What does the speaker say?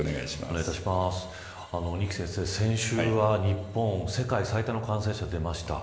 二木先生、先週は日本世界最多の感染者が出ました。